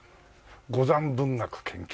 『五山文学研究』。